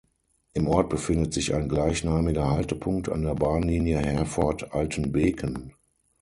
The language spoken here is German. Im Ort befindet sich ein gleichnamiger Haltepunkt an der Bahnlinie Herford-Altenbeken.